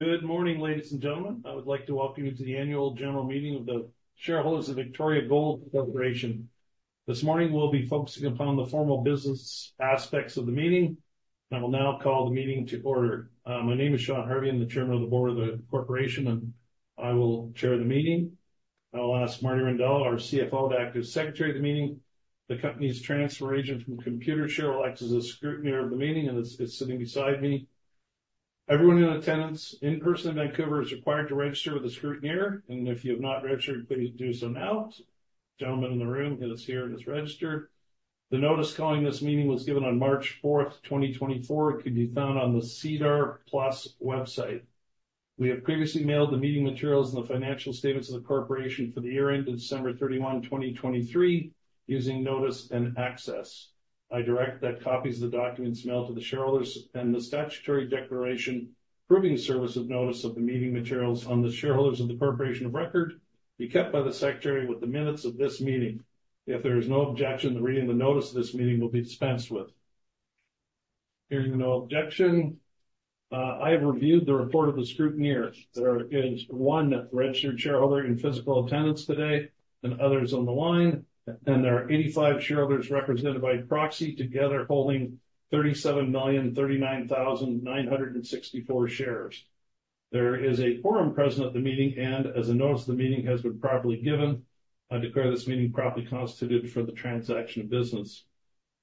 Good morning, ladies and gentlemen. I would like to welcome you to the annual general meeting of the shareholders of Victoria Gold Corporation. This morning, we'll be focusing upon the formal business aspects of the meeting. I will now call the meeting to order. My name is Sean Harvey. I'm the Chairman of the Board of the corporation, and I will chair the meeting. I'll ask Marty Rendell, our CFO, to act as Secretary of the Meeting. The company's transfer agent from Computershare will act as the Scrutineer of the Meeting and is sitting beside me. Everyone in attendance in person in Vancouver is required to register with the Scrutineer. If you have not registered, please do so now. Gentleman in the room is here and is registered. The notice calling this meeting was given on March 4th, 2024. It can be found on the SEDAR+ website. We have previously mailed the meeting materials and the financial statements of the corporation for the year ended December 31, 2023, using Notice and Access. I direct that copies of the documents mailed to the shareholders and the statutory declaration proving service of notice of the meeting materials on the shareholders of the corporation of record be kept by the secretary with the minutes of this meeting. If there is no objection, the reading of the notice of this meeting will be dispensed with. Hearing no objection, I have reviewed the report of the scrutineer. There is one registered shareholder in physical attendance today and others on the line. There are 85 shareholders represented by proxy, together holding 37,039,964 shares. There is a quorum present at the meeting, and as the notice of the meeting has been properly given, I declare this meeting properly constituted for the transaction of business.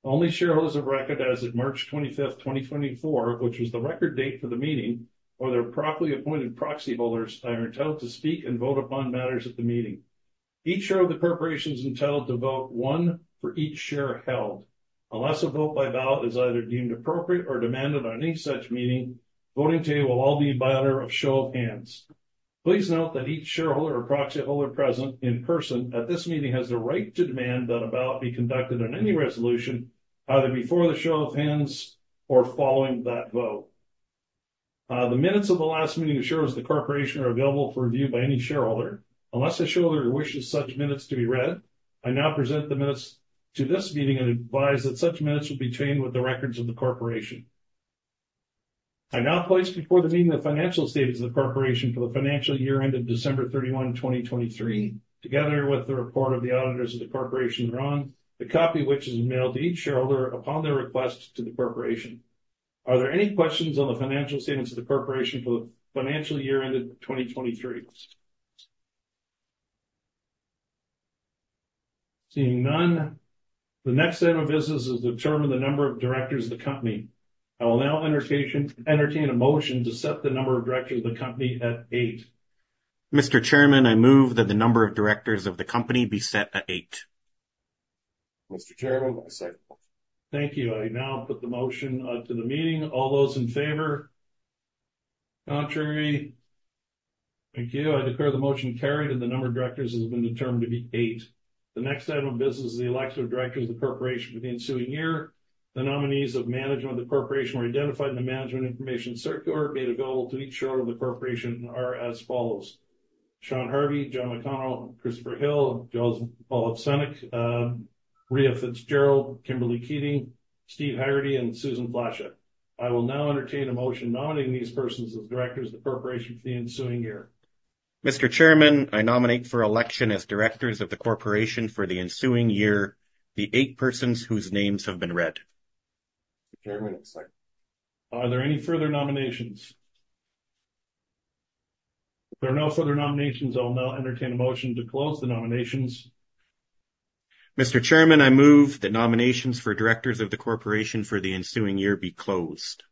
Only shareholders of record as at March 25th, 2024, which was the record date for the meeting, or their properly appointed proxy holders are entitled to speak and vote upon matters at the meeting. Each shareholder of the corporation is entitled to vote one for each share held. Unless a vote by ballot is either deemed appropriate or demanded on any such meeting, voting today will all be by order of show of hands. Please note that each shareholder or proxy holder present in person at this meeting has the right to demand that a ballot be conducted on any resolution, either before the show of hands or following that vote. The minutes of the last meeting of shareholders of the corporation are available for review by any shareholder. Unless a shareholder wishes such minutes to be read, I now present the minutes to this meeting and advise that such minutes will be chained with the records of the corporation. I now place before the meeting the financial statements of the corporation for the financial year ended December 31, 2023, together with the report of the auditors of the corporation thereon, the copy of which is mailed to each shareholder upon their request to the corporation. Are there any questions on the financial statements of the corporation for the financial year ended 2023? Seeing none, the next item of business is determine the number of directors of the company. I will now entertain a motion to set the number of directors of the company at eight. Mr. Chairman, I move that the number of directors of the company be set at eight. Mr. Chairman, I second. Thank you. I now put the motion to the meeting. All those in favor? Contrary. Thank you. I declare the motion carried, and the number of directors has been determined to be eight. The next item of business is the election of directors of the corporation for the ensuing year. The nominees of management of the corporation were identified in the management information circular mailed to each shareholder of the corporation are as follows: Sean Harvey, John McConnell, Christopher Hill, Joseph Ovsenek, Ria Fitzgerald, Kimberly Keating, Steve Haggarty, and Susan Flasha. I will now entertain a motion nominating these persons as directors of the corporation for the ensuing year. Mr. Chairman, I nominate for election as directors of the corporation for the ensuing year the eight persons whose names have been read. Mr. Chairman, I second. Are there any further nominations? If there are no further nominations, I will now entertain a motion to close the nominations. Mr. Chairman, I move that nominations for directors of the corporation for the ensuing year be closed.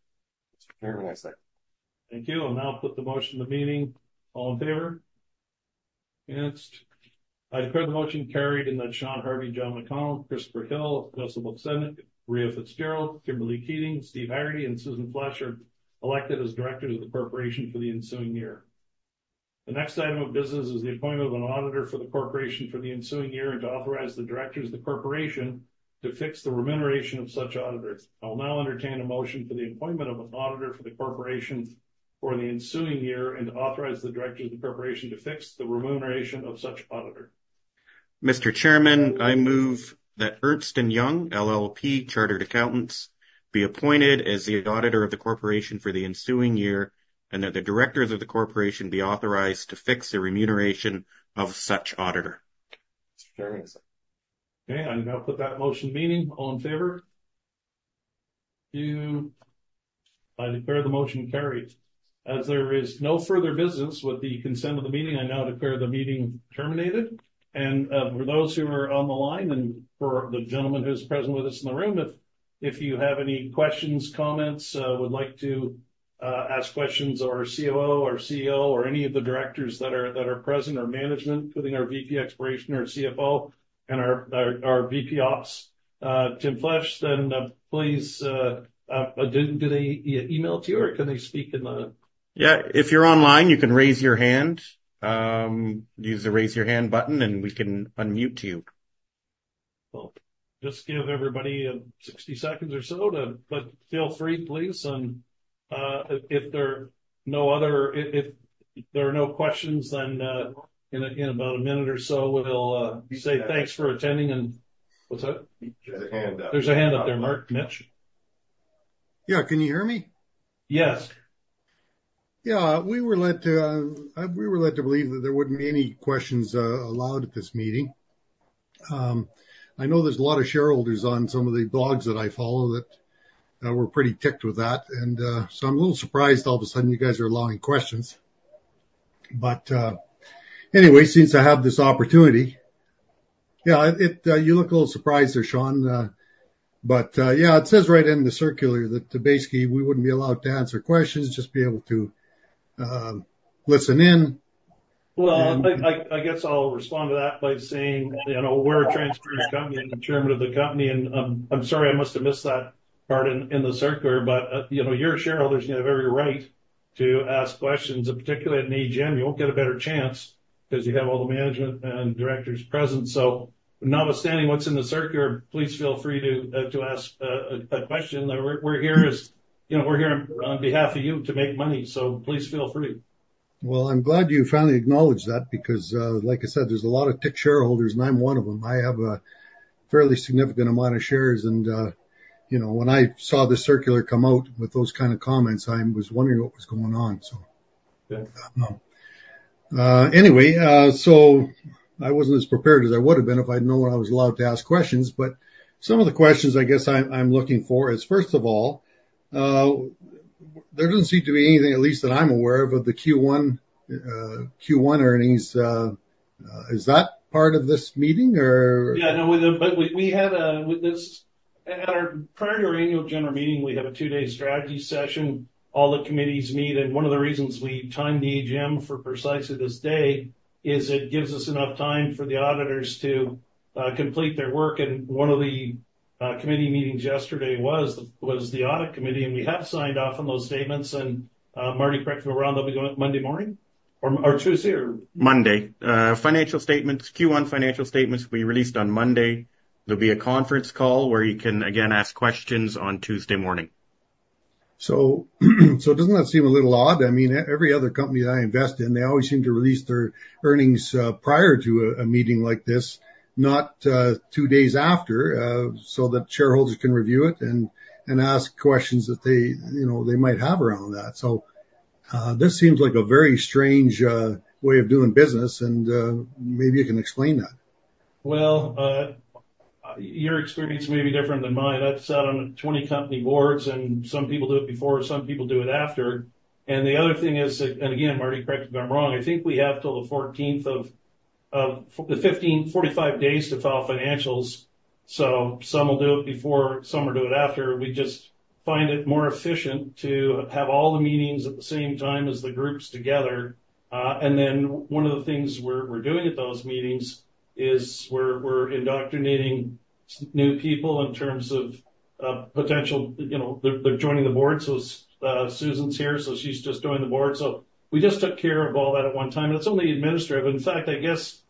Mr. Chairman, I second. Thank you. I'll now put the motion to the meeting. All in favor? Against. I declare the motion carried and that Sean Harvey, John McConnell, Christopher Hill, Joseph Ovsenek, Ria Fitzgerald, Kimberly Keating, Steve Haggarty, and Susan Flasha are elected as directors of the corporation for the ensuing year. The next item of business is the appointment of an auditor for the corporation for the ensuing year and to authorize the directors of the corporation to fix the remuneration of such auditors. I will now entertain a motion for the appointment of an auditor for the corporation for the ensuing year and to authorize the directors of the corporation to fix the remuneration of such auditor. Mr. Chairman, I move that Ernst & Young LLP Chartered Accountants be appointed as the auditor of the corporation for the ensuing year, and that the directors of the corporation be authorized to fix the remuneration of such auditor. Mr. Chairman, I second. Okay. I now put that motion to the meeting. All in favor? Do I declare the motion carried. As there is no further business, with the consent of the meeting, I now declare the meeting terminated. For those who are on the line and for the gentleman who's present with us in the room, if you have any questions, comments, would like to ask questions our COO, our CEO, or any of the directors that are present, or management, including our VP Exploration, our CFO, and our VP Ops, Tim Fisch, then please, do they email it to you, or can they speak in? Yeah, if you're online, you can raise your hand. Use the raise your hand button, and we can unmute you. Well, just give everybody 60 seconds or so. Feel free, please. If there are no questions, in about a minute or so, we'll say thanks for attending. What's that? There's a hand up. There's a hand up there, Mark Mitch. Yeah. Can you hear me? Yes. We were led to believe that there wouldn't be any questions allowed at this meeting. I know there's a lot of shareholders on some of the blogs that I follow that were pretty ticked with that. I'm a little surprised all of a sudden you guys are allowing questions. Anyway, since I have this opportunity. Yeah, you look a little surprised there, Sean. Yeah, it says right in the circular that basically we wouldn't be allowed to answer questions, just be able to listen in. I guess I'll respond to that by saying, we're a transparent company and the chairman of the company, and I'm sorry, I must have missed that part in the circular. You're shareholders, you have every right to ask questions, particularly at an AGM. You won't get a better chance because you have all the management and directors present. Notwithstanding what's in the circular, please feel free to ask a question. We're here on behalf of you to make money. Please feel free. Well, I'm glad you finally acknowledged that because, like I said, there's a lot of ticked shareholders, and I'm one of them. I have a fairly significant amount of shares and, when I saw the circular come out with those kind of comments, I was wondering what was going on. Yeah. I wasn't as prepared as I would've been if I'd known I was allowed to ask questions. Some of the questions I guess I'm looking for is, first of all, there doesn't seem to be anything, at least that I'm aware of the Q1 earnings. Is that part of this meeting or? No, prior to our annual general meeting, we have a two-day strategy session. All the committees meet. One of the reasons we time the AGM for precisely this day is it gives us enough time for the auditors to complete their work. One of the committee meetings yesterday was the audit committee. We have signed off on those statements. Marty, correct me if I'm wrong, they'll be going up Monday morning or Tuesday? Monday. Financial statements, Q1 financial statements will be released on Monday. There'll be a conference call where you can again ask questions on Tuesday morning. Doesn't that seem a little odd? Every other company that I invest in, they always seem to release their earnings prior to a meeting like this, not two days after, so that shareholders can review it and ask questions that they might have around that. This seems like a very strange way of doing business and maybe you can explain that. Well, your experience may be different than mine. I've sat on 20 company boards and some people do it before, some people do it after. The other thing is, and again, Marty, correct me if I'm wrong, I think we have till the 14th of the 15, 45 days to file financials. Some will do it before, some will do it after. We just find it more efficient to have all the meetings at the same time as the groups together. Then one of the things we're doing at those meetings is we're indoctrinating new people in terms of They're joining the board. Susan's here, so she's just joined the board. We just took care of all that at one time, and it's only administrative. I guess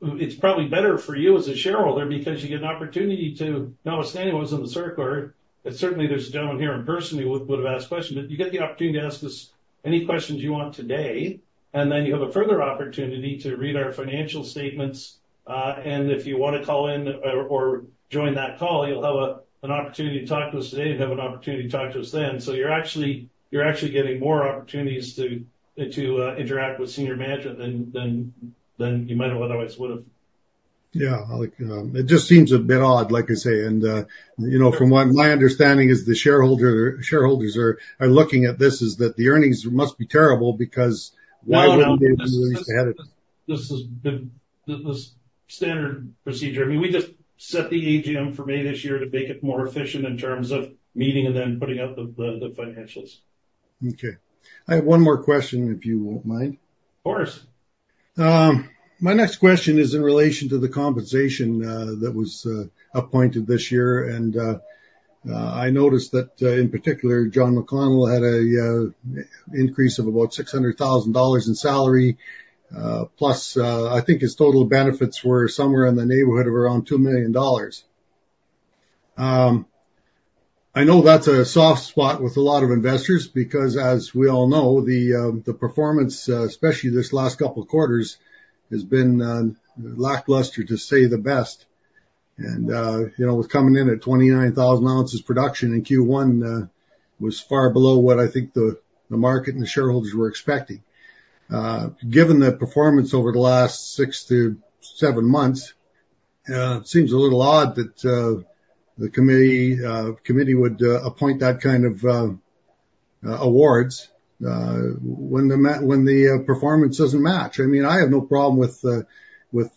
it's probably better for you as a shareholder because you get an opportunity to, notwithstanding what's in the circular, certainly there's a gentleman here in person who would've asked a question, you get the opportunity to ask us any questions you want today, you have a further opportunity to read our financial statements. If you want to call in or join that call, you'll have an opportunity to talk to us today and have an opportunity to talk to us then. You're actually getting more opportunities to interact with senior management than you might have otherwise would've. Yeah. It just seems a bit odd, like I say. From what my understanding is, the shareholders are looking at this as that the earnings must be terrible because why wouldn't they be released ahead of time? This is standard procedure. We just set the AGM for May this year to make it more efficient in terms of meeting and then putting out the financials. Okay. I have one more question, if you won't mind. Of course. My next question is in relation to the compensation that was appointed this year. I noticed that, in particular, John McConnell had a increase of about 600,000 dollars in salary. I think his total benefits were somewhere in the neighborhood of around 2 million dollars. I know that's a soft spot with a lot of investors because as we all know, the performance, especially this last couple of quarters, has been lackluster to say the best. With coming in at 29,000 ounces production in Q1, was far below what I think the market and the shareholders were expecting. Given that performance over the last six to seven months, seems a little odd that the committee would appoint that kind of awards when the performance doesn't match. I have no problem with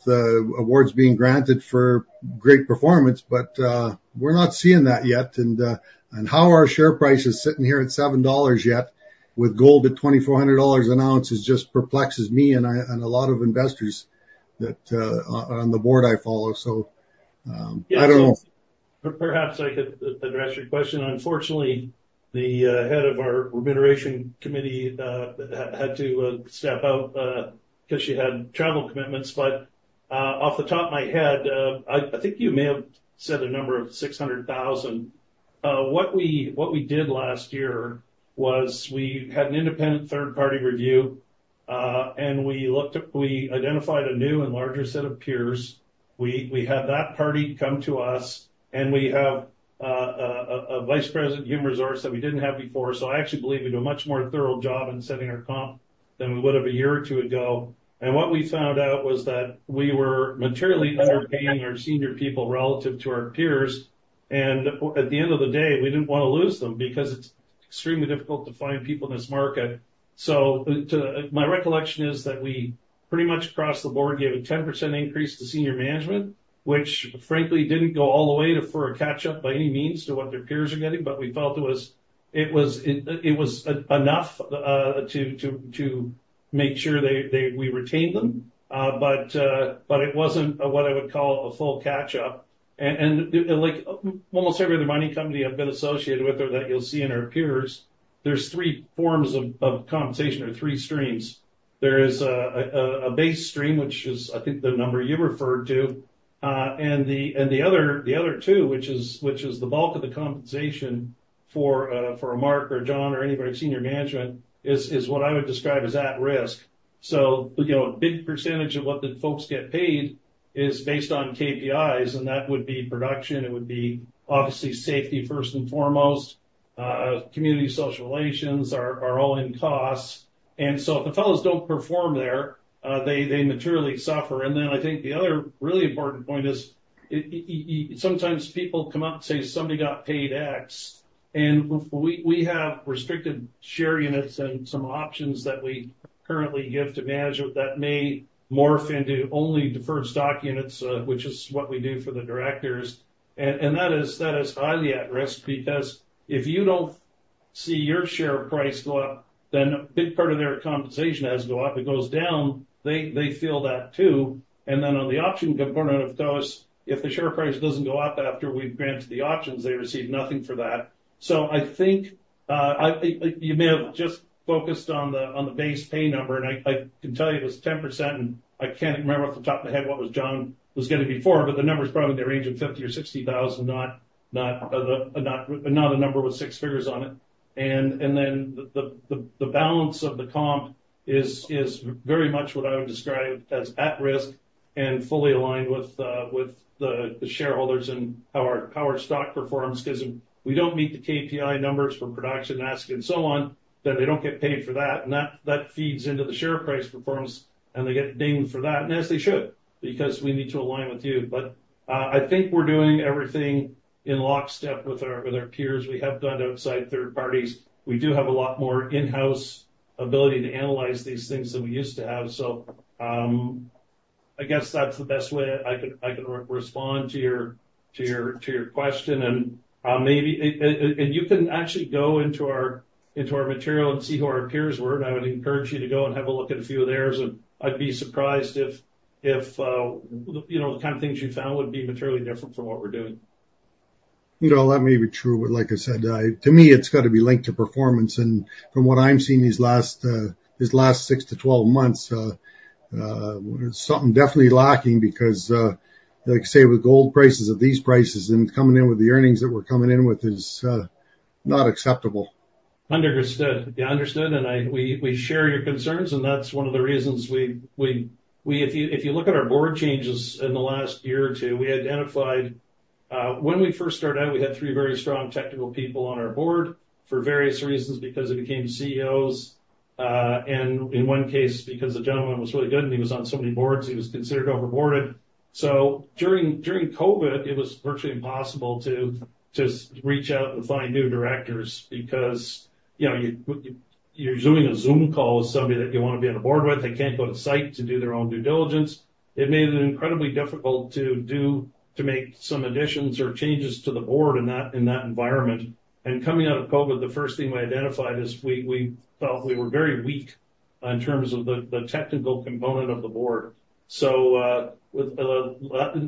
awards being granted for great performance. We're not seeing that yet. How our share price is sitting here at 7 dollars yet with gold at 2,400 dollars an ounce just perplexes me and a lot of investors that are on the board I follow. I don't know. Perhaps I could address your question. Unfortunately, the head of our remuneration committee had to step out because she had travel commitments. Off the top of my head, I think you may have said a number of 600,000. What we did last year was we had an independent third-party review, and we identified a new and larger set of peers. We had that party come to us, and we have a Vice President of Human Resources that we didn't have before. I actually believe we do a much more thorough job in setting our comp than we would've a year or two ago. What we found out was that we were materially underpaying our senior people relative to our peers. At the end of the day, we didn't want to lose them because it's extremely difficult to find people in this market. My recollection is that we pretty much across the board gave a 10% increase to senior management, which frankly didn't go all the way for a catch-up by any means to what their peers are getting. We felt it was enough to make sure we retained them. It wasn't what I would call a full catch-up. Like almost every mining company I've been associated with or that you'll see in our peers, there's three forms of compensation or three streams. There is a base stream, which is I think the number you referred to. The other two, which is the bulk of the compensation for Mark or John or anybody senior management, is what I would describe as at-risk. A big percentage of what the folks get paid is based on KPIs, and that would be production, it would be obviously safety first and foremost, community social relations are all in costs. If the fellows don't perform there, they materially suffer. I think the other really important point is sometimes people come up and say, "Somebody got paid X." We have restricted share units and some options that we currently give to management that may morph into only deferred stock units, which is what we do for the directors. That is highly at-risk because if you don't see your share price go up, then a big part of their compensation has to go up. It goes down, they feel that too. Then on the option component, of course, if the share price doesn't go up after we've granted the options, they receive nothing for that. So I think you may have just focused on the base pay number, and I can tell you it was 10%, and I can't remember off the top of my head what John was getting before, but the number's probably in the range of 50,000 or 60,000, not a number with six figures on it. Then the balance of the comp is very much what I would describe as at-risk and fully aligned with the shareholders and how our stock performs, because if we don't meet the KPI numbers for production, AISC and so on, then they don't get paid for that. That feeds into the share price performance and they get dinged for that. As they should, because we need to align with you. I think we're doing everything in lockstep with our peers. We have gone to outside third parties. We do have a lot more in-house ability to analyze these things than we used to have. I guess that's the best way I can respond to your question. You can actually go into our material and see who our peers were, and I would encourage you to go and have a look at a few of theirs, and I'd be surprised if the kind of things you found would be materially different from what we're doing. That may be true, like I said, to me, it's got to be linked to performance. From what I'm seeing these last six to 12 months, something definitely lacking because, like I say, with gold prices at these prices and coming in with the earnings that we're coming in with is not acceptable. Understood. Understood, we share your concerns, that's one of the reasons we, If you look at our board changes in the last year or two, we identified when we first started out, we had three very strong technical people on our board for various reasons, because they became CEOs. In one case, because the gentleman was really good and he was on so many boards, he was considered over-boarded. During COVID, it was virtually impossible to just reach out and find new directors because you're doing a Zoom call with somebody that you want to be on a board with. They can't go to site to do their own due diligence. It made it incredibly difficult to make some additions or changes to the board in that environment. Coming out of COVID, the first thing we identified is we felt we were very weak in terms of the technical component of the board.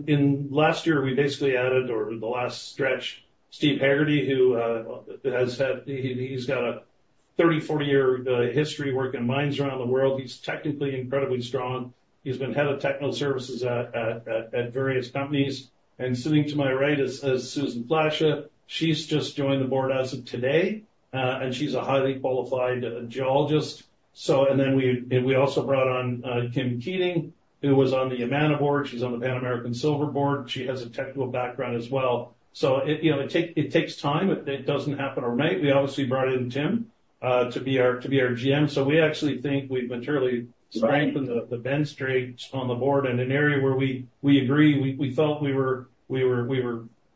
In last year, we basically added, or the last stretch, Steve Haggarty, he's got a 30, 40-year history working in mines around the world. He's technically incredibly strong. He's been head of technical services at various companies. Sitting to my right is Susan Flasha. She's just joined the board as of today. She's a highly qualified geologist. We also brought on Kimberly Keating, who was on the Yamana board. She's on the Pan American Silver board. She has a technical background as well. It takes time. It doesn't happen overnight. We obviously brought in Tim to be our GM. We actually think we've materially strengthened the bench strength on the board in an area where we agree we felt we were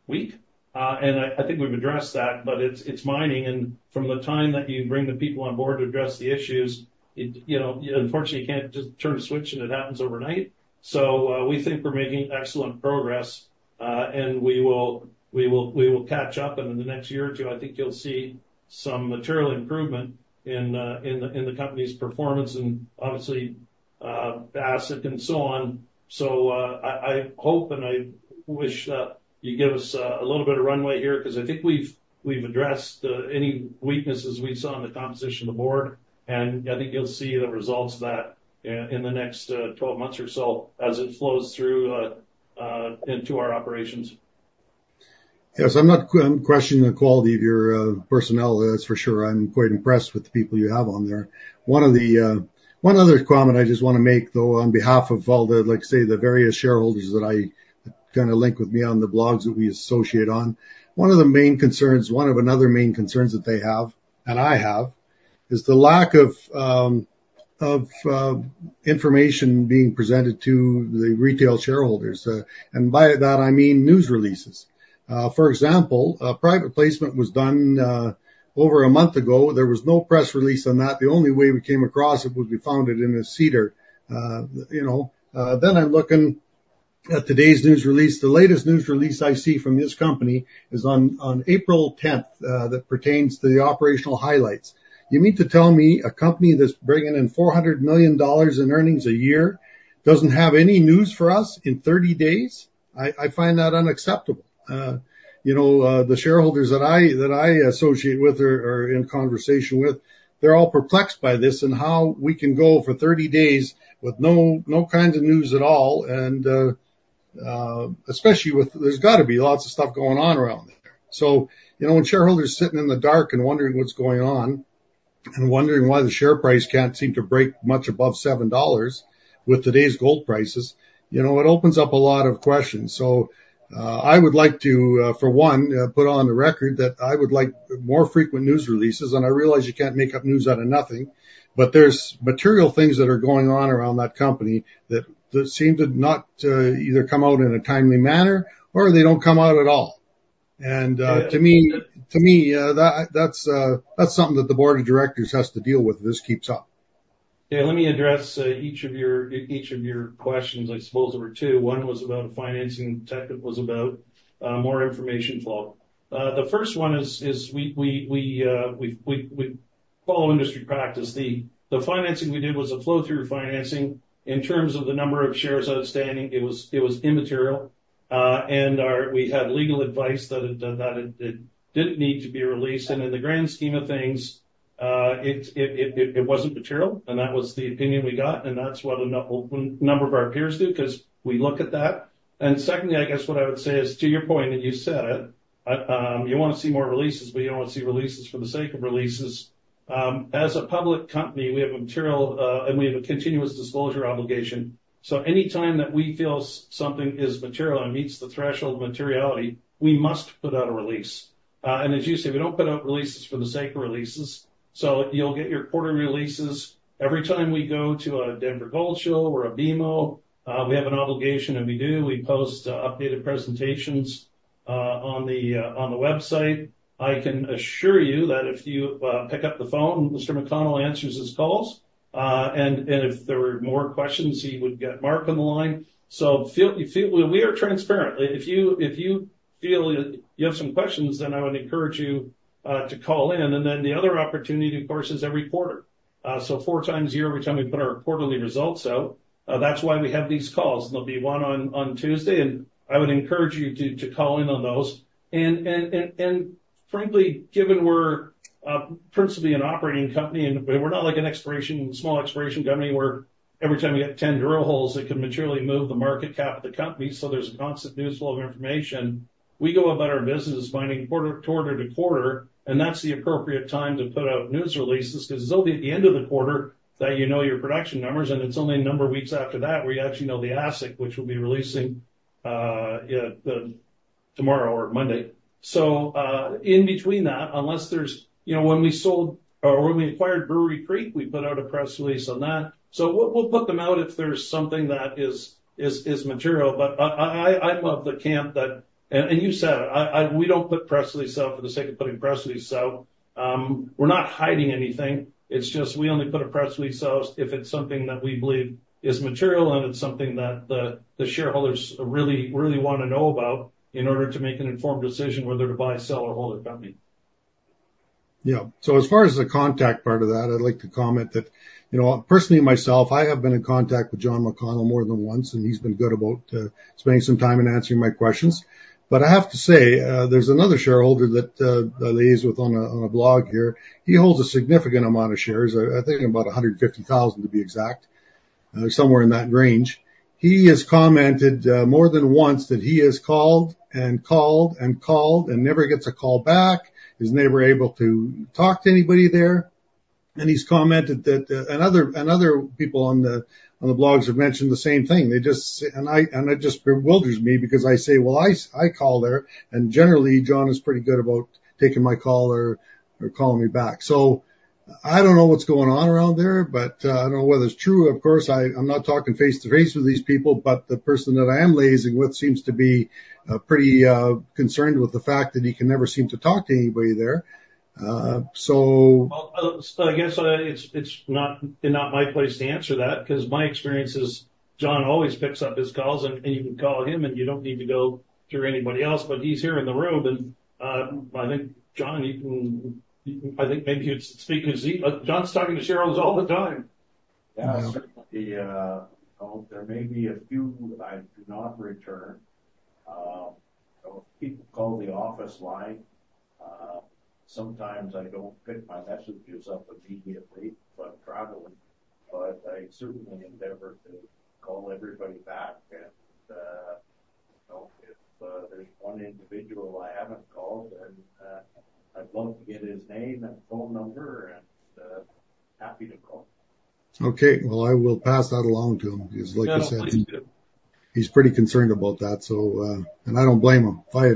weak. I think we've addressed that, but it's mining, and from the time that you bring the people on board to address the issues, unfortunately, you can't just turn a switch and it happens overnight. We think we're making excellent progress. We will catch up, and in the next year or two, I think you'll see some material improvement in the company's performance and obviously asset and so on. I hope, and I wish that you give us a little bit of runway here because I think we've addressed any weaknesses we saw in the composition of the board, and I think you'll see the results of that in the next 12 months or so as it flows through into our operations. Yes, I'm not questioning the quality of your personnel, that's for sure. I'm quite impressed with the people you have on there. One other comment I just want to make, though, on behalf of all the, let's say, the various shareholders that I link with me on the blogs that we associate on. One of another main concerns that they have, and I have, is the lack of information being presented to the retail shareholders. By that, I mean news releases. For example, a private placement was done over a month ago. There was no press release on that. The only way we came across it was we found it in the SEDAR. I'm looking at today's news release. The latest news release I see from this company is on April 10th that pertains to the operational highlights. You mean to tell me a company that's bringing in 400 million dollars in earnings a year doesn't have any news for us in 30 days? I find that unacceptable. The shareholders that I associate with or are in conversation with, they're all perplexed by this and how we can go for 30 days with no kinds of news at all. There's got to be lots of stuff going on around there. When shareholders are sitting in the dark and wondering what's going on and wondering why the share price can't seem to break much above 7 dollars with today's gold prices, it opens up a lot of questions. I would like to, for one, put on the record that I would like more frequent news releases. I realize you can't make up news out of nothing, but there's material things that are going on around that company that seem to not either come out in a timely manner or they don't come out at all. To me, that's something that the board of directors has to deal with if this keeps up. Yeah, let me address each of your questions. I suppose there were two. One was about a financing, it was about more information flow. The first one is we follow industry practice. The financing we did was a flow-through financing. In terms of the number of shares outstanding, it was immaterial. We had legal advice that it didn't need to be released. In the grand scheme of things, it wasn't material, and that was the opinion we got, and that's what a number of our peers do because we look at that. Secondly, I guess what I would say is to your point, and you said it, you want to see more releases, but you don't want to see releases for the sake of releases. As a public company, we have a continuous disclosure obligation. Any time that we feel something is material and meets the threshold of materiality, we must put out a release. As you say, we don't put out releases for the sake of releases. You'll get your quarter releases every time we go to a Denver Gold Show or a BMO. We have an obligation, and we do. We post updated presentations on the website. I can assure you that if you pick up the phone, Mr. McConnell answers his calls. If there were more questions, he would get Mark on the line. We are transparent. If you feel you have some questions, then I would encourage you to call in. The other opportunity, of course, is every quarter. Four times a year, every time we put our quarterly results out. That's why we have these calls. There'll be one on Tuesday. I would encourage you to call in on those. Frankly, given we're principally an operating company and we're not like a small exploration company where every time we get 10 drill holes, it can materially move the market cap of the company, so there's a constant news flow of information. We go about our business mining quarter to quarter, and that's the appropriate time to put out news releases because it's only at the end of the quarter that you know your production numbers, and it's only a number of weeks after that where you actually know the asset, which we'll be releasing tomorrow or Monday. In between that, when we acquired Brewery Creek, we put out a press release on that. We'll put them out if there's something that is material. You said it. We don't put press releases out for the sake of putting press releases out. We're not hiding anything. It's just we only put a press release out if it's something that we believe is material and it's something that the shareholders really want to know about in order to make an informed decision whether to buy, sell, or hold their company. Yeah. As far as the contact part of that, I'd like to comment that personally, myself, I have been in contact with John McConnell more than once, and he's been good about spending some time in answering my questions. I have to say, there's another shareholder that I liaise with on a blog here. He holds a significant amount of shares, I think about 150,000 to be exact, somewhere in that range. He has commented more than once that he has called and called and called and never gets a call back, is never able to talk to anybody there. Other people on the blogs have mentioned the same thing. It just bewilders me because I say, "Well, I call there, and generally John is pretty good about taking my call or calling me back." I don't know what's going on around there, but I don't know whether it's true. Of course, I'm not talking face-to-face with these people, but the person that I am liaising with seems to be pretty concerned with the fact that he can never seem to talk to anybody there. I guess it's not my place to answer that because my experience is John always picks up his calls, and you can call him, and you don't need to go through anybody else. He's here in the room, and I think John, maybe you'd speak because John's talking to shareholders all the time. Yes. There may be a few that I do not return. If people call the office line. Sometimes I don't pick my messages up immediately if I'm traveling, but I certainly endeavor to call everybody back. If there's one individual I haven't called, then I'd love to get his name and phone number, and happy to call. Okay. Well, I will pass that along to him, because like I said. Yeah, please do. he's pretty concerned about that, and I don't blame him. I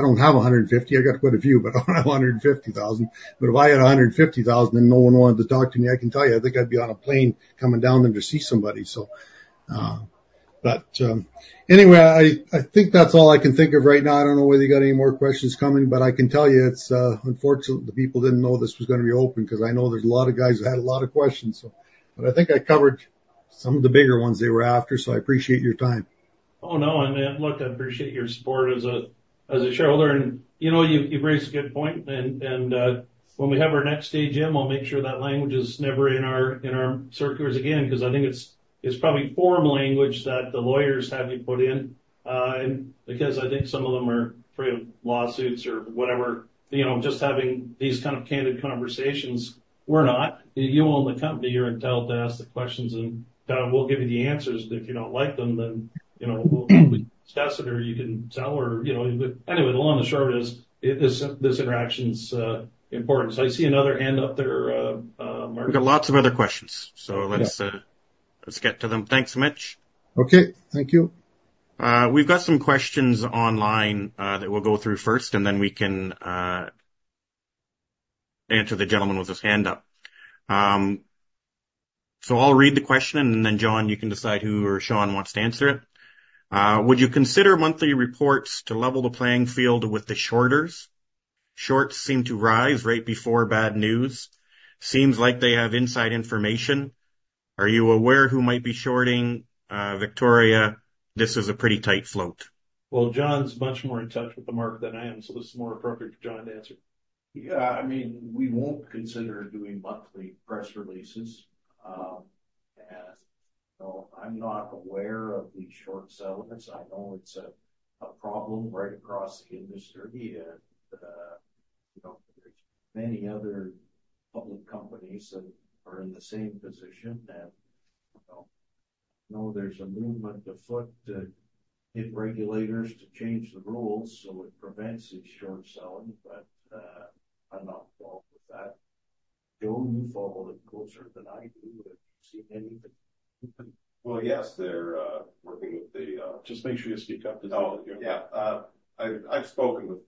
don't have 150. I got quite a few, but I don't have 150,000. If I had 150,000 and no one wanted to talk to me, I can tell you, I think I'd be on a plane coming down there to see somebody. Anyway, I think that's all I can think of right now. I don't know whether you got any more questions coming, but I can tell you it's unfortunate the people didn't know this was going to be open, because I know there's a lot of guys who had a lot of questions. I think I covered some of the bigger ones they were after, so I appreciate your time. Look, I appreciate your support as a shareholder. You raise a good point, when we have our next AGM, I'll make sure that language is never in our circulars again, it's probably form language that the lawyers have you put in, some of them are afraid of lawsuits or whatever. Just having these kind of candid conversations, we're not. You own the company. You're entitled to ask the questions, we'll give you the answers. If you don't like them, we'll discuss it or you can sell. The long and short is, this interaction's important. I see another hand up there, Marty. We've got lots of other questions. Yeah. Let's get to them. Thanks, Mitch. Okay, thank you. We've got some questions online that we'll go through first, and then we can answer the gentleman with his hand up. I'll read the question, and then, John, you can decide who or Sean wants to answer it. Would you consider monthly reports to level the playing field with the shorters? Shorts seem to rise right before bad news. Seems like they have inside information. Are you aware who might be shorting Victoria? This is a pretty tight float. Well, John's much more in touch with the market than I am, so this is more appropriate for John to answer. Yeah, we won't consider doing monthly press releases. I'm not aware of the short sellers. I know it's a problem right across the industry, and there's many other public companies that are in the same position. I know there's a movement afoot to get regulators to change the rules so it prevents it, short selling, but I'm not involved with that. Joe, you follow it closer than I do. Have you seen anything? Well, yes, they're working with. Just make sure you speak up because. Oh, yeah. I've spoken with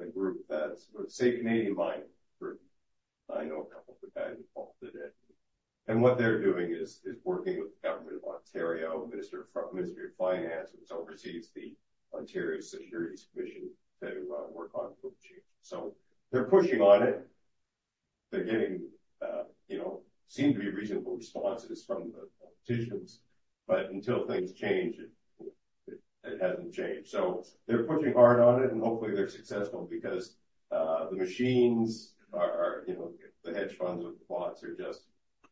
a group, Save Canadian Mining. I know a couple of the guys involved in it. What they're doing is working with the government of Ontario, Ministry of Finance, which oversees the Ontario Securities Commission, to work on rule change. They're pushing on it. They're getting what seem to be reasonable responses from the politicians, but until things change, it hasn't changed. They're pushing hard on it, and hopefully they're successful because the hedge funds with bots are just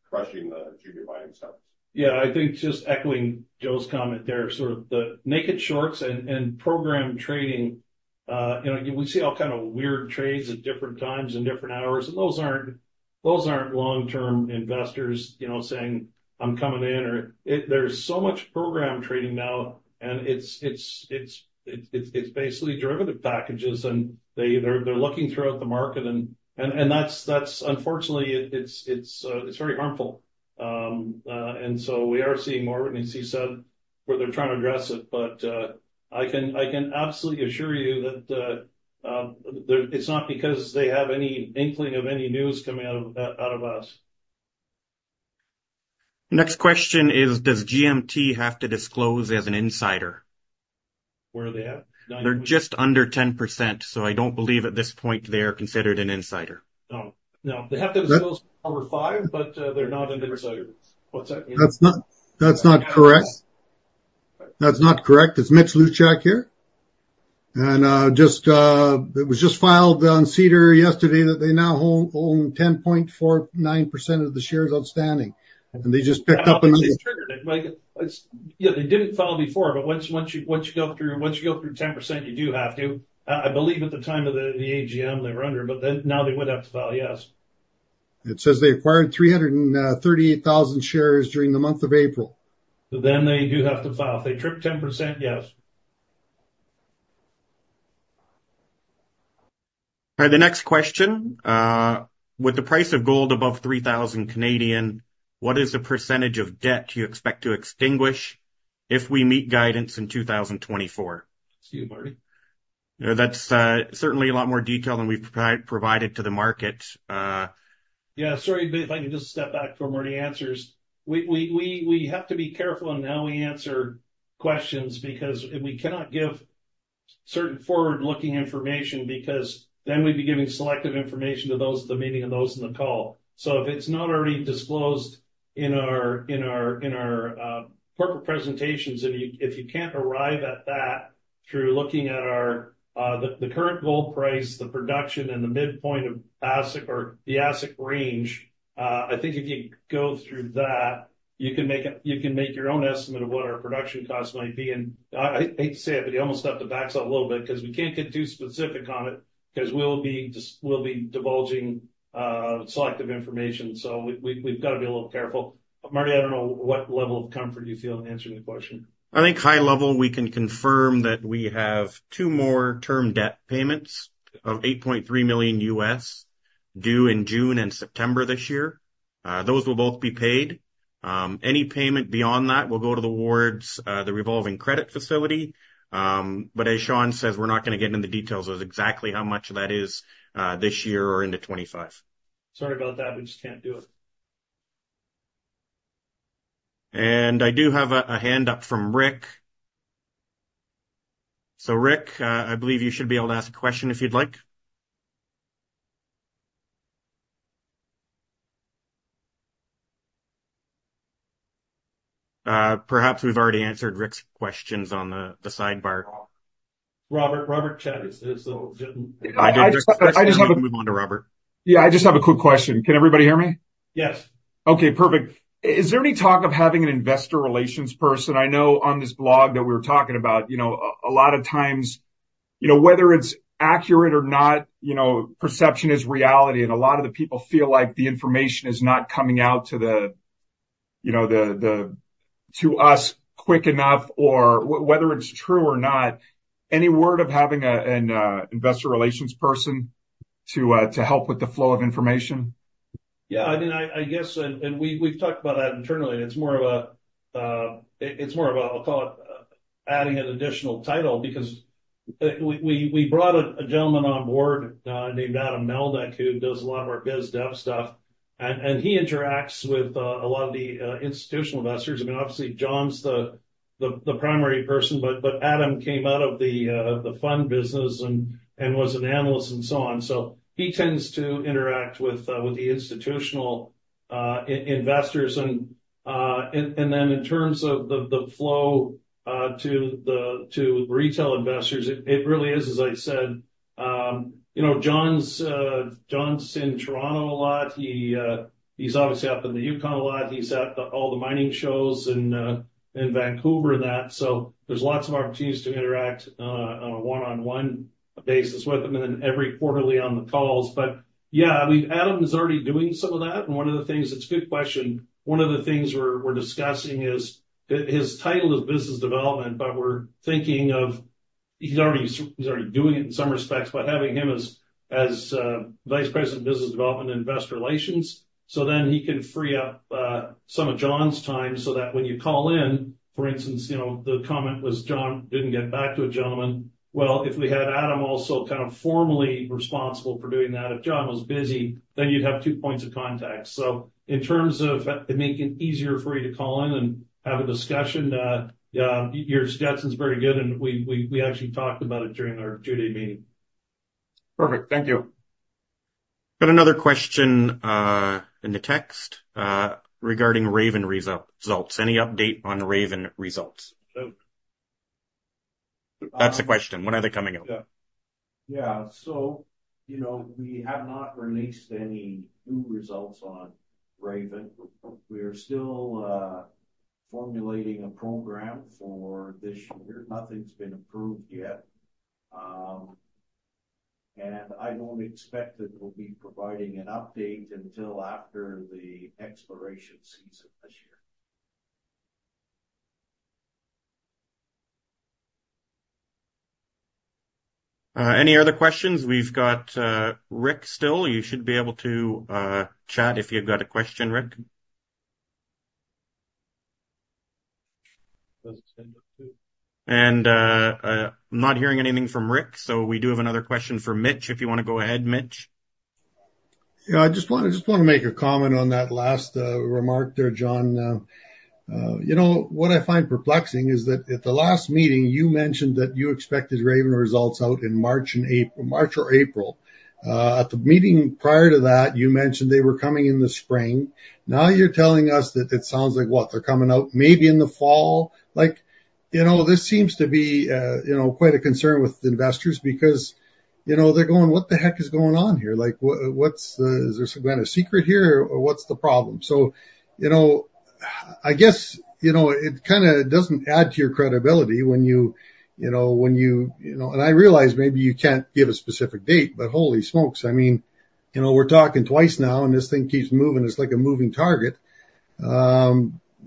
crushing the junior mining stocks. I think just echoing Joe's comment there, sort of the naked shorts and program trading, we see all kind of weird trades at different times and different hours, and those aren't long-term investors saying, "I'm coming in." There's so much program trading now, and it's basically derivative packages and they're looking throughout the market, and unfortunately, it's very harmful. So we are seeing more of it, and as he said, where they're trying to address it. I can absolutely assure you that it's not because they have any inkling of any news coming out of us. Next question is, does GMT have to disclose as an insider? Where are they at, nine or? They're just under 10%, so I don't believe at this point they are considered an insider. Oh. No, they have to disclose over five, but they're not an insider. What's that mean? That's not correct. That's not correct. Is Mitch Luchak here? It was just filed on SEDAR yesterday that they now own 10.49% of the shares outstanding. They triggered it. Yeah, they didn't file before, but once you go through 10%, you do have to. I believe at the time of the AGM, they were under, but now they would have to file, yes. It says they acquired 338,000 shares during the month of April. They do have to file. If they trip 10%, yes. All right, the next question. With the price of gold above 3,000, what is the percentage of debt you expect to extinguish if we meet guidance in 2024? That's you, Marty. That's certainly a lot more detail than we've provided to the market. Sorry, if I can just step back before Marty Rendell answers. We have to be careful on how we answer questions, because we cannot give certain forward-looking information, because then we'd be giving selective information to those at the meeting and those in the call. If it's not already disclosed in our corporate presentations, and if you can't arrive at that through looking at the current gold price, the production, and the midpoint of the asset range. I think if you go through that, you can make your own estimate of what our production cost might be. I hate to say it, you almost have to back up a little bit because we can't get too specific on it because we'll be divulging selective information. We've got to be a little careful. Marty, I don't know what level of comfort you feel in answering the question. I think high level, we can confirm that we have two more term debt payments of $8.3 million U.S. due in June and September this year. Those will both be paid. Any payment beyond that will go towards the revolving credit facility. But as Sean says, we're not going to get into the details of exactly how much of that is this year or into 2025. Sorry about that. We just can't do it. I do have a hand up from Rick. Rick, I believe you should be able to ask a question if you'd like. Perhaps we've already answered Rick's questions on the sidebar. Robert Check is still getting. I just want to move on to Robert. Yeah, I just have a quick question. Can everybody hear me? Yes. Okay, perfect. Is there any talk of having an investor relations person? I know on this blog that we were talking about, a lot of times, whether it's accurate or not, perception is reality, and a lot of the people feel like the information is not coming out to us quick enough or whether it's true or not. Any word of having an investor relations person to help with the flow of information? We've talked about that internally, and it's more of a, I'll call it adding an additional title, because we brought a gentleman on board named Adam Melnyk, who does a lot of our biz dev stuff, and he interacts with a lot of the institutional investors. Obviously, John's the primary person, but Adam came out of the fund business and was an analyst and so on. He tends to interact with the institutional investors. In terms of the flow to retail investors, it really is, as I said, John's in Toronto a lot. He's obviously up in the Yukon a lot. He's at all the mining shows in Vancouver and that. There's lots of opportunities to interact on a one-on-one basis with him, and then every quarterly on the calls. Yeah, Adam Melnyk is already doing some of that, and it's a good question. One of the things we're discussing is his title is business development. He's already doing it in some respects, having him as Vice President Business Development and Investor Relations. He can free up some of John McConnell's time. When you call in, for instance, the comment was John McConnell didn't get back to a gentleman. If we had Adam Melnyk also formally responsible for doing that, if John McConnell was busy, you'd have two points of contact. In terms of making it easier for you to call in and have a discussion, your suggestion's very good, and we actually talked about it during our two-day meeting. Perfect. Thank you. Got another question in the text regarding Raven results. Any update on Raven results? So That's the question. When are they coming out? Yeah. We have not released any new results on Raven. We are still formulating a program for this year. Nothing's been approved yet. I don't expect that we'll be providing an update until after the exploration season this year. Any other questions? We've got Rick still. You should be able to chat if you've got a question, Rick. Does it say that too? I'm not hearing anything from Rick, so we do have another question from Mitch, if you want to go ahead, Mitch. Yeah, I just want to make a comment on that last remark there, John. What I find perplexing is that at the last meeting, you mentioned that you expected Raven results out in March or April. At the meeting prior to that, you mentioned they were coming in the spring. Now you're telling us that it sounds like what? They're coming out maybe in the fall. This seems to be quite a concern with investors because they're going, "What the heck is going on here? Is there some kind of secret here or what's the problem?" I guess it doesn't add to your credibility. I realize maybe you can't give a specific date, but holy smokes. We're talking twice now, and this thing keeps moving. It's like a moving target.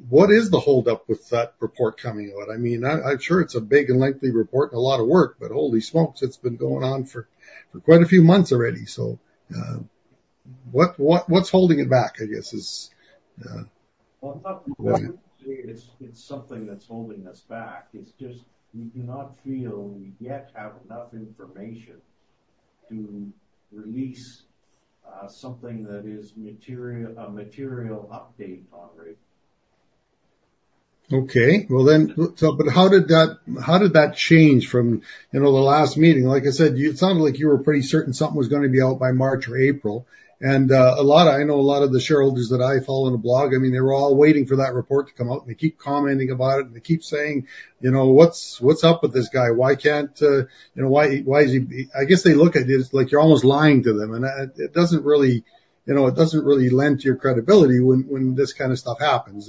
What is the hold-up with that report coming out? I'm sure it's a big and lengthy report and a lot of work, but holy smokes, it's been going on for quite a few months already. Well, it's not really something that's holding us back. It's just we do not feel we yet have enough information to release something that is a material update on Raven. Okay. How did that change from the last meeting, like I said, it sounded like you were pretty certain something was going to be out by March or April? I know a lot of the shareholders that I follow in the blog, they were all waiting for that report to come out, and they keep commenting about it, and they keep saying, "What's up with this guy? Why is he?" I guess they look at it as like you're almost lying to them. It doesn't really lend to your credibility when this kind of stuff happens.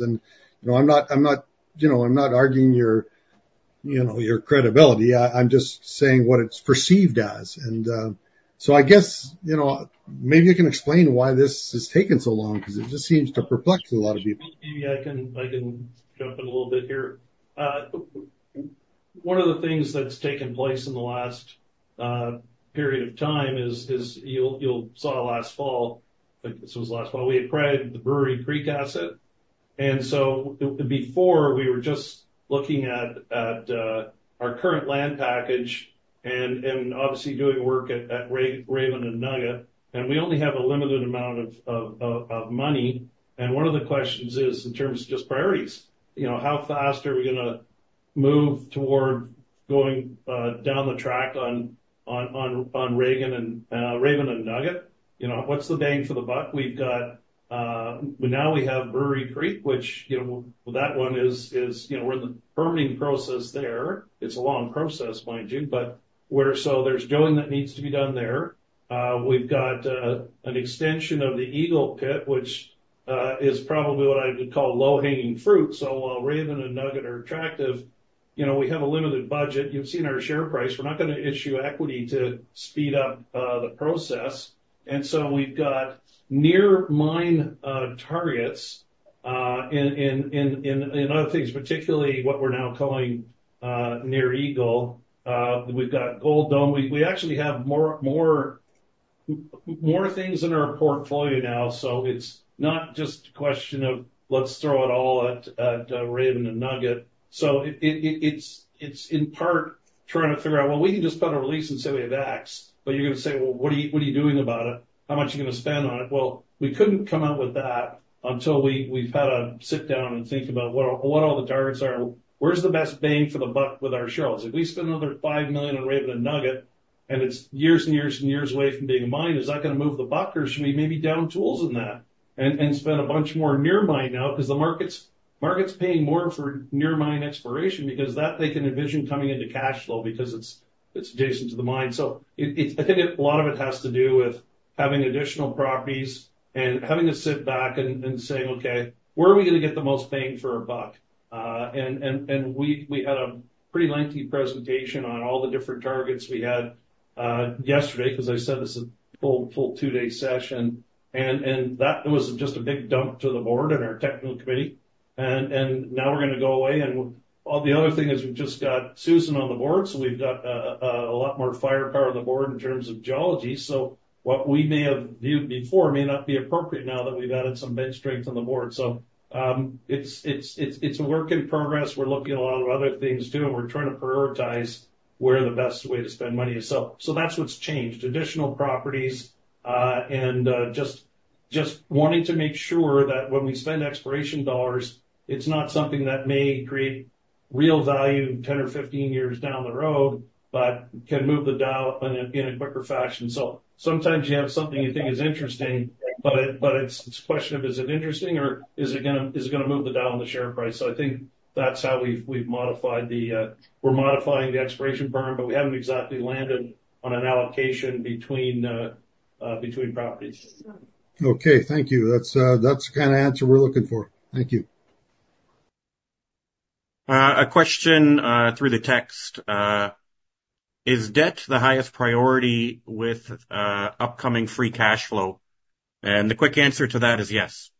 I'm not arguing your credibility. I'm just saying what it's perceived as. I guess maybe you can explain why this has taken so long, because it just seems to perplex a lot of people. Maybe I can jump in a little bit here. One of the things that's taken place in the last period of time is we acquired the Brewery Creek asset. Before, we were just looking at our current land package and obviously doing work at Raven and Nugget. We only have a limited amount of money. One of the questions is in terms of just priorities, how fast are we going to move toward going down the track on Raven and Nugget? What's the bang for the buck? Now we have Brewery Creek, which that one is we're in the permitting process there. It's a long process, mind you, but there's doing that needs to be done there. We've got an extension of the Eagle pit, which is probably what I would call low-hanging fruit. While Raven and Nugget are attractive, we have a limited budget. You've seen our share price. We're not going to issue equity to speed up the process. We've got near mine targets in other things, particularly what we're now calling Near Eagle. We've got Gold Dome. We actually have more things in our portfolio now. It's not just a question of let's throw it all at Raven and Nugget. It's in part trying to figure out, well, we can just put a release and say we have X, but you're going to say, "Well, what are you doing about it? How much are you going to spend on it?" Well, we couldn't come out with that until we've had a sit down and think about what all the targets are. Where's the best bang for the buck with our shareholders? If we spend another 5 million on Raven and Nugget, and it's years and years and years away from being a mine, is that going to move the buck or should we maybe down tools in that and spend a bunch more near mine now because the market's paying more for near mine exploration because that they can envision coming into cash flow because it's adjacent to the mine. I think a lot of it has to do with having additional properties and having to sit back and saying, "Okay, where are we going to get the most bang for our buck?" We had a pretty lengthy presentation on all the different targets we had yesterday because I said this is a full two-day session. That was just a big dump to the board and our technical committee. Now we're going to go away and the other thing is we've just got Susan Flasha on the board. We've got a lot more firepower on the board in terms of geology. What we may have viewed before may not be appropriate now that we've added some bench strength on the board. It's a work in progress. We're looking at a lot of other things, too, and we're trying to prioritize where the best way to spend money is. That's what's changed. Additional properties and just wanting to make sure that when we spend exploration dollars, it's not something that may create real value 10 or 15 years down the road, but can move the dial in a quicker fashion. Sometimes you have something you think is interesting, but it's a question of is it interesting or is it going to move the dial on the share price? I think that's how we're modifying the exploration burn, but we haven't exactly landed on an allocation between properties. Okay. Thank you. That's the kind of answer we're looking for. Thank you. A question through the text. Is debt the highest priority with upcoming free cash flow? The quick answer to that is yes.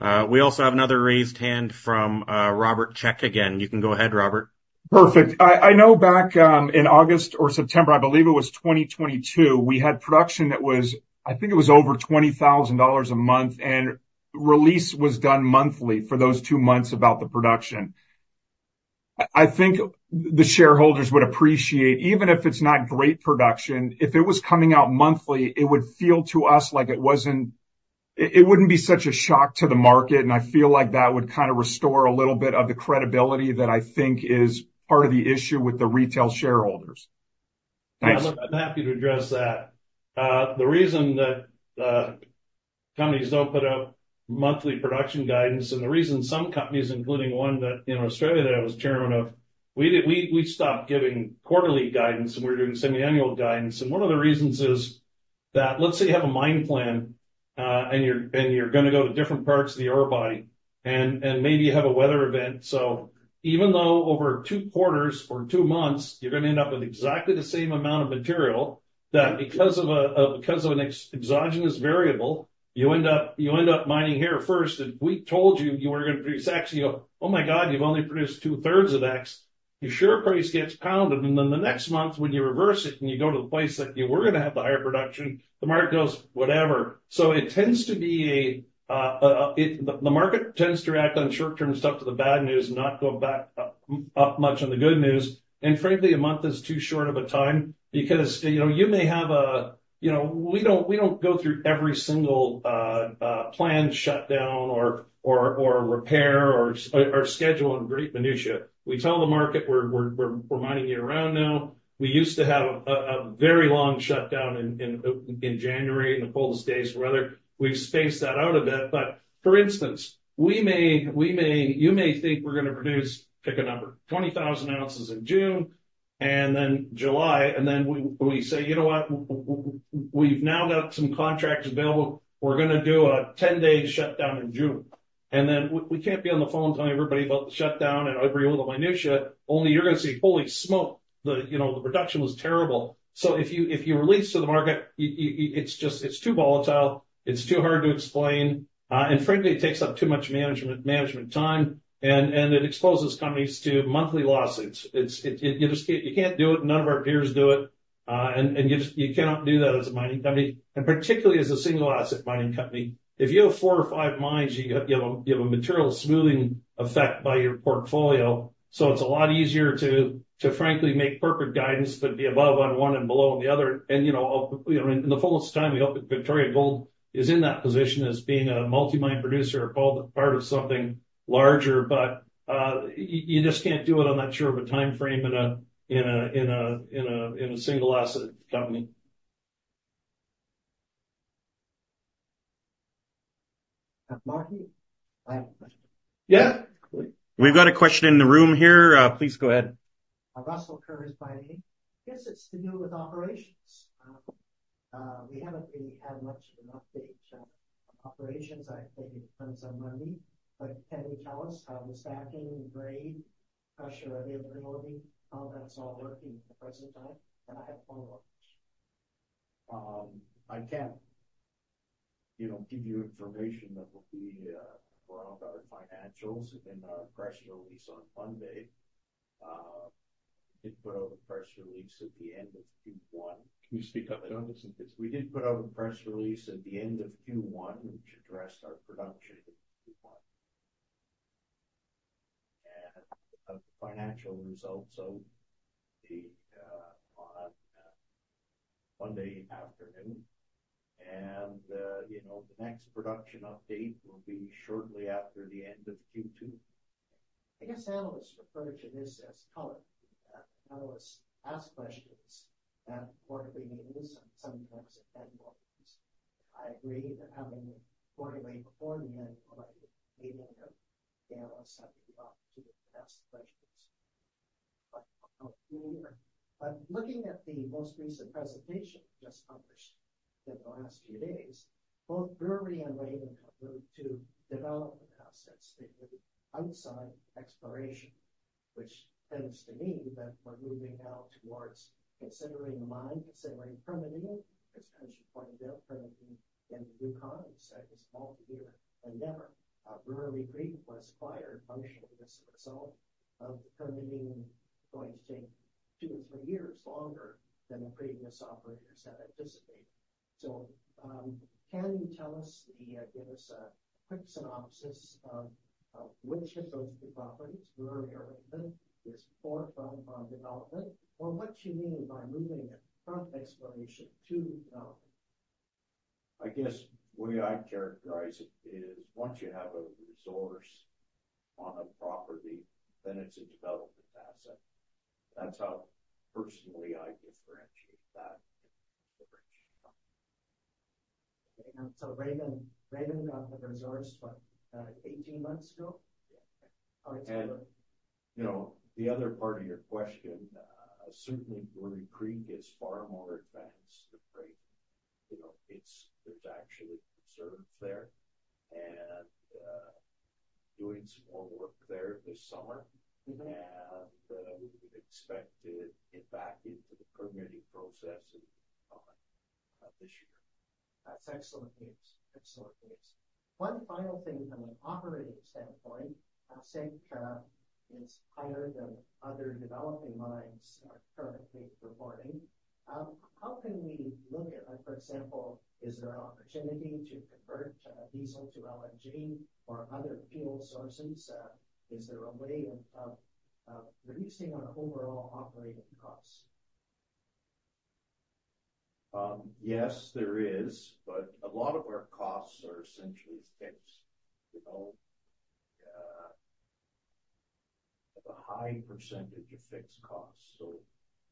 We also have another raised hand from Robert Check again. You can go ahead, Robert. Perfect. I know back in August or September, I believe it was 2022, we had production that was, I think it was over 20,000 dollars a month. Release was done monthly for those two months about the production. I think the shareholders would appreciate, even if it's not great production, if it was coming out monthly, it would feel to us like it wouldn't be such a shock to the market. I feel like that would restore a little bit of the credibility that I think is part of the issue with the retail shareholders. Thanks. I'm happy to address that. The reason that companies don't put out monthly production guidance, and the reason some companies, including one in Australia that I was chairman of, we stopped giving quarterly guidance, and we were doing semi-annual guidance. One of the reasons is that let's say you have a mine plan, and you're going to go to different parts of the ore body, and maybe you have a weather event. Even though over two quarters or two months, you're going to end up with exactly the same amount of material. That because of an exogenous variable, you end up mining here first, and if we told you were going to produce X, and you go, "Oh my God, you've only produced two-thirds of X," your share price gets pounded. Then the next month when you reverse it and you go to the place that you were going to have the higher production, the market goes, "Whatever." It tends to be. The market tends to react on short-term stuff to the bad news and not go back up much on the good news. Frankly, a month is too short of a time. We don't go through every single planned shutdown or repair or schedule in great minutia. We tell the market we're mining year-round now. We used to have a very long shutdown in January, in the coldest days of weather. We've spaced that out a bit. For instance, you may think we're going to produce, pick a number, 20,000 ounces in June. Then July, and then we say, "You know what? We've now got some contracts available. We're going to do a 10-day shutdown in June. We can't be on the phone telling everybody about the shutdown and every little minutia, only you're going to say, "Holy smoke, the production was terrible." If you release to the market, it's too volatile, it's too hard to explain, and frankly, it takes up too much management time, and it exposes companies to monthly losses. You can't do it, none of our peers do it. You cannot do that as a mining company, and particularly as a single asset mining company. If you have four or five mines, you have a material smoothing effect by your portfolio. It's a lot easier to frankly make perfect guidance, but be above on one and below on the other. In the fullness of time, we hope that Victoria Gold is in that position as being a multi-mine producer or part of something larger. You just can't do it, I'm not sure, of a timeframe in a single asset company. Yeah. We've got a question in the room here. Please go ahead. Russell Curry is my name. Guess it's to do with operations. We haven't really had much of an update of operations. I think it depends on money, but can you tell us how the stacking and grade pressure are they overlooking, how that's all working at the present time? I have one more question. I can give you information that will be rolled out in financials in our press release on Monday. We did put out a press release at the end of Q1. Can you speak up? We did put out a press release at the end of Q1, which addressed our production in Q1 and of the financial results on Monday afternoon. The next production update will be shortly after the end of Q2. I guess analysts refer to this as color. Analysts ask questions, and quarterly meetings and sometimes at annual meetings. I agree that having a quarterly before the annual meeting gives analysts the opportunity to ask questions. Looking at the most recent presentation just published in the last few days, both Brewery and Raven committed to development assets outside exploration, which tends to me that we're moving now towards considering mine, considering permitting, as Patrick pointed out, permitting in Yukon is a multiyear endeavor. Brewery Creek was acquired partially as a result of the permitting going to take two or three years longer than the previous operators had anticipated. Can you give us a quick synopsis of which of those two properties, Brewery or Raven, is forthcoming on development? What you mean by moving it from exploration to development? I guess the way I'd characterize it is once you have a resource on a property, then it's a development asset. That's how personally I differentiate that. Raven got the resource, what, 18 months ago? The other part of your question, certainly Brewery Creek is far more advanced than Raven. There is actually reserves there and doing some more work there this summer. We would expect to get back into the permitting process this year. That's excellent news. One final thing from an operating standpoint, AISC is higher than other developing mines are currently reporting. How can we look at, for example, is there an opportunity to convert diesel to LNG or other fuel sources? Is there a way of reducing our overall operating costs? Yes, there is. A lot of our costs are essentially fixed. We have a high percentage of fixed costs.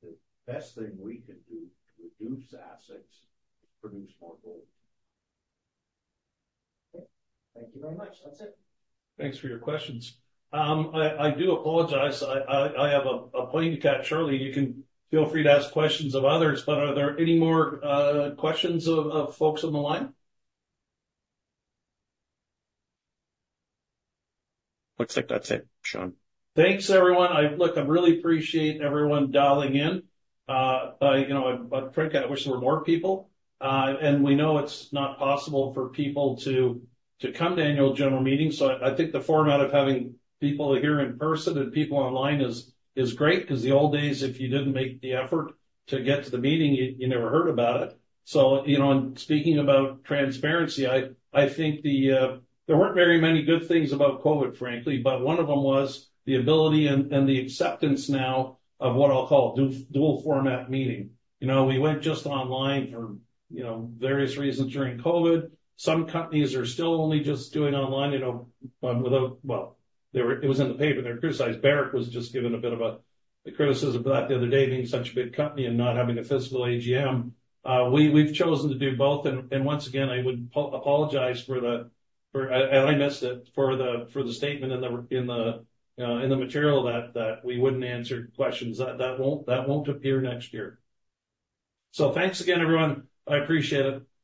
The best thing we can do to reduce AISC is produce more gold. Okay. Thank you very much. That's it. Thanks for your questions. I do apologize. I have a plane to catch, surely you can feel free to ask questions of others, but are there any more questions of folks on the line? Looks like that's it, Sean. Thanks, everyone. Look, I really appreciate everyone dialing in. Frankly, I wish there were more people. We know it's not possible for people to come to annual general meetings, so I think the format of having people here in person and people online is great because the old days, if you didn't make the effort to get to the meeting, you never heard about it. In speaking about transparency, I think there weren't very many good things about COVID, frankly, but one of them was the ability and the acceptance now of what I'll call dual format meeting. We went just online for various reasons during COVID. Some companies are still only just doing online, well, it was in the paper, they're criticized. Barrick was just given a bit of a criticism for that the other day, being such a big company and not having a physical AGM. We've chosen to do both, and once again, I would apologize for the-- and I missed it, for the statement in the material that we wouldn't answer questions. That won't appear next year. Thanks again, everyone. I appreciate it.